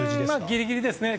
ギリギリです。